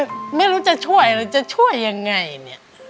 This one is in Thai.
สามีก็ต้องพาเราไปขับรถเล่นดูแลเราเป็นอย่างดีตลอดสี่ปีที่ผ่านมา